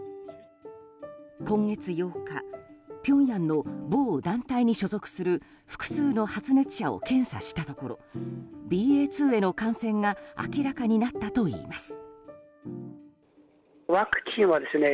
今月８日、ピョンヤンの某団体に所属する複数の発熱者を検査したところＢＡ．２への感染が明らかになったといいます。